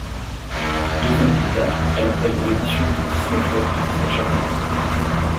Deux années plus tard, elle intègre l'émission du Disney Club de Disney Channel.